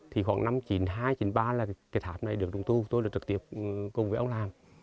thì khoảng năm một nghìn chín trăm ba mươi hai một nghìn chín trăm ba mươi ba là cái tháp này được trùng tu tôi được trực tiếp cùng với ông làm